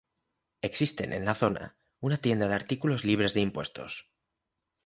Existen en la zona una tienda de artículos libres de impuestos.